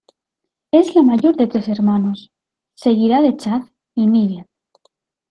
Es la mayor de tres hermanos, seguida de Chaz y Nigel.